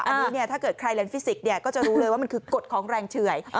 อันนี้เนี่ยถ้าเกิดใครเลนฟิสิกส์ก็จะรู้เลยว่ามันคือกฎของแรงเฉื่อย